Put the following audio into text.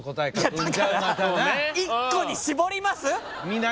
１個に絞ります？